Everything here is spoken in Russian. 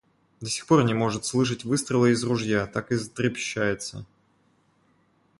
До сих пор не может слышать выстрела из ружья: так и затрепещется.